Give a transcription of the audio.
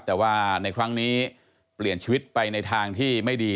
แต่ว่าในครั้งนี้เปลี่ยนชีวิตไปในทางที่ไม่ดี